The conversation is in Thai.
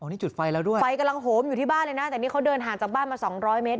นี่จุดไฟแล้วด้วยไฟกำลังโหมอยู่ที่บ้านเลยนะแต่นี่เขาเดินห่างจากบ้านมาสองร้อยเมตร